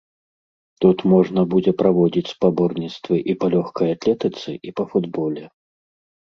Тут можна будзе праводзіць спаборніцтвы і па лёгкай атлетыцы, і па футболе.